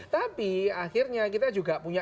tapi akhirnya kita juga punya